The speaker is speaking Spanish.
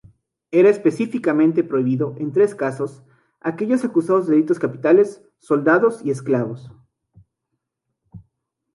Era específicamente prohibido en tres casos: aquellos acusados de delitos capitales, soldados y esclavos.